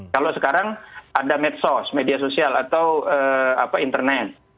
kalau sekarang ada medsos media sosial atau internet